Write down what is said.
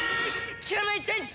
「キラメイチェンジ！」